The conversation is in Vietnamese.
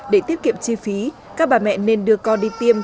để tiết kiệm chi phí các bà mẹ nên đưa con đi tiêm